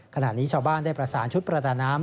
ขณะนี้ชาวบ้านได้ประสานชุดประดาน้ำ